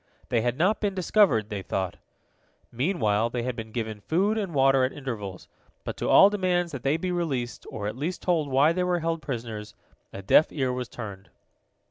They had not been discovered, they thought. Meanwhile they had been given food and water at intervals, but to all demands that they be released, or at least told why they were held prisoners, a deaf ear was turned.